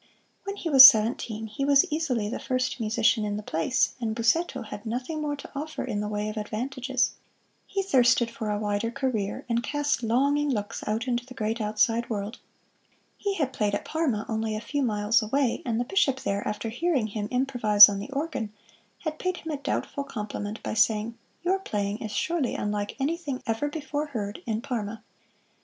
When he was seventeen he was easily the first musician in the place, and Busseto had nothing more to offer in the way of advantages. He thirsted for a wider career, and cast longing looks out into the great outside world. He had played at Parma, only a few miles away, and the Bishop there, after hearing him improvise on the organ, had paid him a doubtful compliment by saying, "Your playing is surely unlike anything ever before heard in Parma."